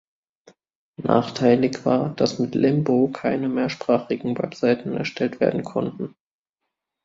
Nachteilig war, dass mit Limbo keine mehrsprachigen Webseiten erstellt werden konnten.